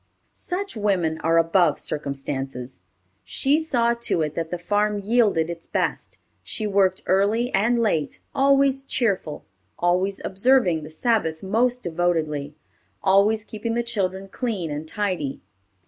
Such women are above circumstances. She saw to it that the farm yielded its best. She worked early and late, always cheerful, always observing the Sabbath most devotedly, always keeping the children clean and tidy.